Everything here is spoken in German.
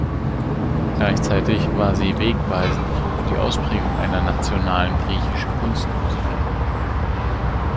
Gleichzeitig war sie wegweisend für die Ausprägung einer nationalen griechischen Kunstmusik.